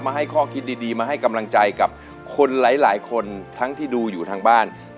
มาให้ข้อคิดดีมาให้กำลังใจกับคนหลายคน